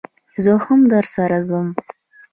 زه هم درسره ځم